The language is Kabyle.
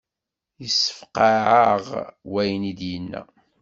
Yessefqeε-aɣ wayen i d-yenna.